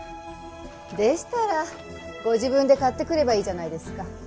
でしたらご自分で買ってくればいいじゃないですか。